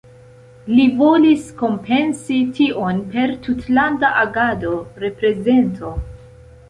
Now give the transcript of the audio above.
Li volis kompensi tion per tutlanda agado, reprezento.